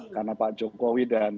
karena pak jokowi dan